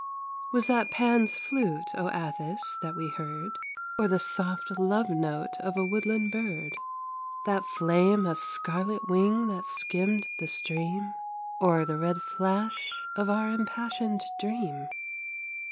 Was that Pan's flute, O Atthis, that we heard, Or the soft love note of a woodland bird? That flame a scarlet wing that skimmed the stream, Or the red flash of our impassioned dream?